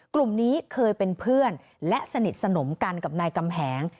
กลุ่มนี้เคยเป็นเพื่อนและสนิทสนมกันกับนายกำแหง